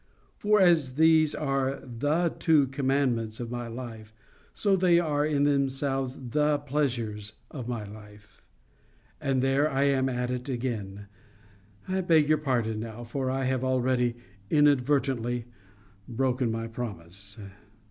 For as these are THE two commandments of life, so they are in themselves THE pleasures of life. But there I am at it again. I beg your pardon now, for I have already inadvertently broken my promise.